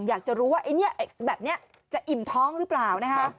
อยากจะรู้ว่าแบบเนี้ยจะอิ่มท้องหรือเปล่านะฮะ